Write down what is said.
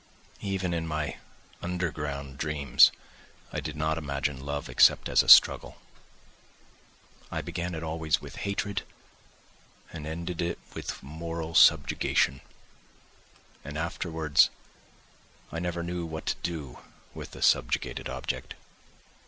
Even in my underground dreams I did not imagine love except as a struggle. I began it always with hatred and ended it with moral subjugation, and afterwards I never knew what to do with the subjugated object.